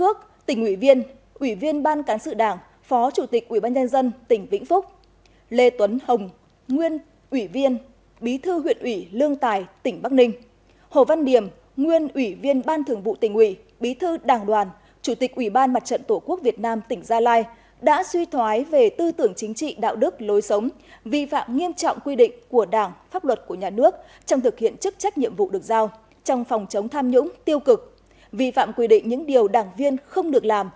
ủy viên ủy viên ban cán sự đảng phó chủ tịch ủy ban nhân dân tỉnh vĩnh phúc lê tuấn hồng nguyên ủy viên bí thư huyện ủy lương tài tỉnh bắc ninh hồ văn điểm nguyên ủy viên ban thường vụ tỉnh ủy bí thư đảng đoàn chủ tịch ủy ban mặt trận tổ quốc việt nam tỉnh gia lai đã suy thoái về tư tưởng chính trị đạo đức lối sống vi phạm nghiêm trọng quy định của đảng pháp luật của nhà nước trong thực hiện chức trách nhiệm vụ được giao trong phòng chống tham nhũng tiêu cực vi phạ